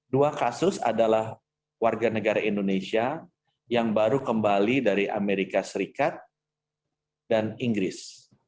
dua kasus adalah warga negara indonesia yang baru kembali dari amerika serikat dan inggris